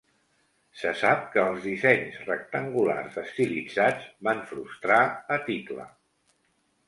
Se sap que els dissenys rectangulars estilitzats van frustrar a Tytla.